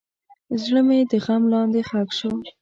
زړه مې د غم لاندې ښخ شو.